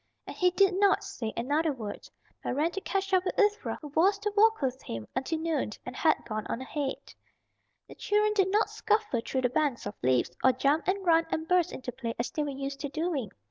And he did not say another word, but ran to catch up with Ivra who was to walk with him until noon and had gone on ahead. The children did not scuffle through the banks of leaves, or jump and run and burst into play as they were used to doing.